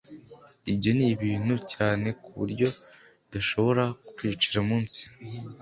Ibyo ni ibintu bito cyane ku buryo bidashobora kukwicira umunsi.